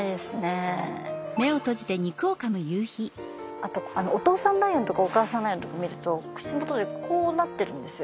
あとあのお父さんライオンとかお母さんライオンとか見ると口元でこうなってるんですよ